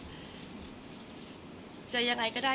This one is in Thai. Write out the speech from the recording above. แต่ขวัญไม่สามารถสวมเขาให้แม่ขวัญได้